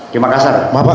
terima kasih pak